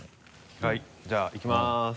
はいじゃあいきます。